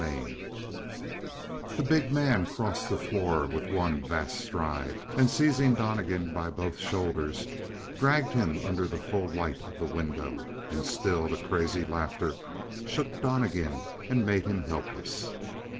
32 The big man crossed the floor with one vast stride, and, seizing Donnegan by both shoulders, dragged him under the full light of the window; and still the crazy laughter shook Donnegan and made him helpless.